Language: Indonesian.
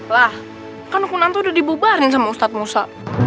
wah kan nekunanto udah dibubarin sama ustadz musa